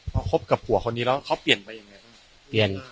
พอคบกับผัวคนนี้แล้วเขาเปลี่ยนไปยังไงบ้าง